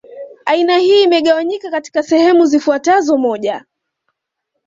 Aina hii imegawanyika katika sehemu zifuatazoMoja